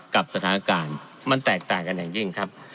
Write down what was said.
กับสถานการณ์มันแตกต่างกันอย่างยิ่งครับ